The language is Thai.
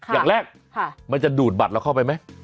อย่างแรกมันจะดูดบัตรเราเข้าไปไหม